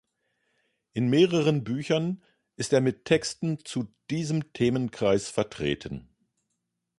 In mehreren Büchern ist er mit Texten zu diesem Themenkreis vertreten.